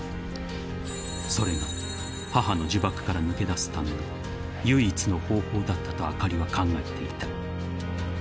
［それが母の呪縛から抜け出すための唯一の方法だったとあかりは考えていた］